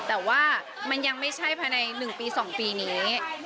แต่ว่ามันยังไม่ใช่ภายในหนึ่งปีสองปีนี้